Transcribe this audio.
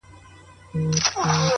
o رڼا ترې باسم له څراغه ؛